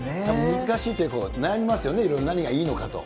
難しいというか、悩みますよね、いろいろ、何がいいのかなと。